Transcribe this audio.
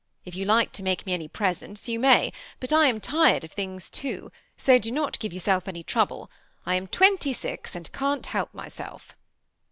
If you like to make me any presents, you may ; but I am tired of things too ; so do not give yourselves any trouble. I am twenty six, and can't help myself."